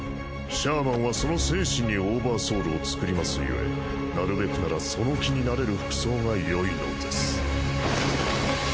シャーマンはその精神にオーバーソウルを作りますゆえなるべくならその気になれる服装がよいのです。